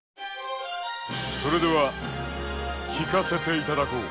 それでは聴かせて頂こう。